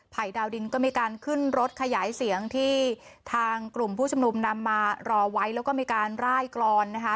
ดาวดินก็มีการขึ้นรถขยายเสียงที่ทางกลุ่มผู้ชุมนุมนำมารอไว้แล้วก็มีการร่ายกรอนนะคะ